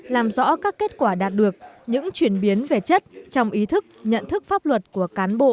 làm rõ các kết quả đạt được những chuyển biến về chất trong ý thức nhận thức pháp luật của cán bộ